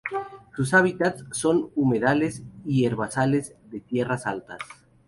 Sus hábitats son los humedales y los herbazales de tierras altas.